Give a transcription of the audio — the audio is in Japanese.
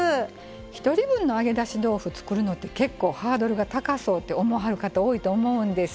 １人分の揚げだし豆腐作るのって、結構ハードルが高そうって思わはる方多いと思うんです。